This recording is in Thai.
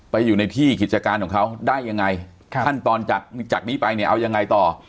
ไปอยู่ในที่กิจการของเขาได้ยังไงขั้นตอนจากนี้ไปเนี่ยเอายังไงต่อ